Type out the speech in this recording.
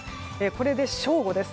これで正午です。